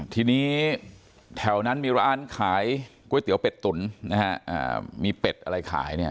ทีนี้แถวนั้นมีร้านขายก๋วยเตี๋ยวเป็ดตุ๋นนะฮะมีเป็ดอะไรขายเนี่ย